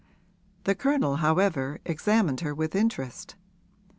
The Colonel, however, examined her with interest.